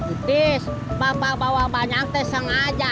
ntis bapak bawa banyak itu sengaja tuh